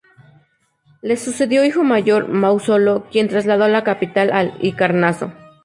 Le sucedió hijo mayor, Mausolo, quien trasladó la capital a Halicarnaso.